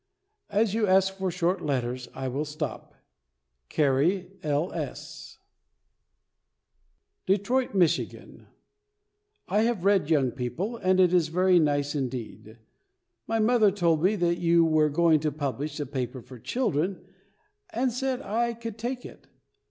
As you ask for short letters, I will stop. CARRIE L. S. DETROIT, MICHIGAN. I have read Young People, and it is very nice indeed. My mother told me that you were going to publish a paper for children, and said I could take it.